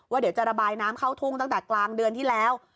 เดี๋ยวจะระบายน้ำเข้าทุ่งตั้งแต่กลางเดือนที่แล้ว